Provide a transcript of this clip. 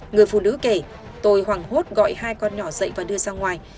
người phụ nữ kể tôi hoảng hốt gọi hai con nhỏ dậy và đưa sang ngoài